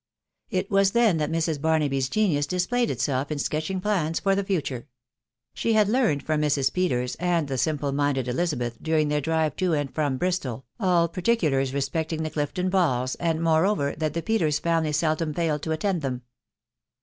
It was then that Mrs. Barnaby't genius displayed itself in sketching plans for the future : the lad learned from Mrs. Peters and the simple minded Elisa beth, during their drive to and from Bristol, all particulars respecting the Clifton balls, and, moreover, that the Peters family seldom failed to attend them.